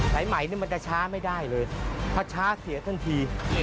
ไสมัยนี่มันจะช้าไม่ได้เลยเพราะช้าเสียทั้งที